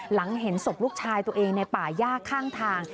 หลังเห็นศพลูกชายตัวเองในป่าย่าข้างทาง